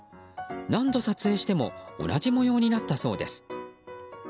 何度撮影しても同じ模様になったそうです。